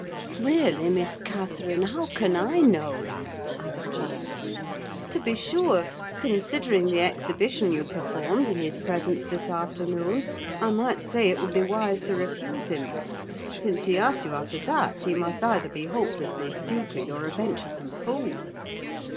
"Really, Miss Catherine, how can I know?" I replied. "To be sure, considering the exhibition you performed in his presence this afternoon, I might say it would be wise to refuse him: since he asked you after that, he must either be hopelessly stupid or a venturesome fool."